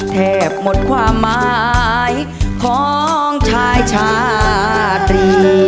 แทบหมดความหมายของชายชาตรี